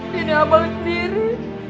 dan abang sendiri